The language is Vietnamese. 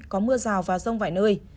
có mưa rào và rông vài nơi